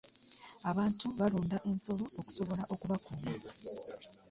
abantu balunda ensolo okusobola okubakuuma.